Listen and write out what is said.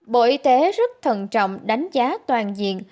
bộ y tế rất thận trọng đánh giá toàn diện